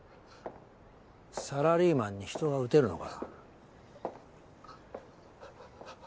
サラリーマンに人が撃てるのか？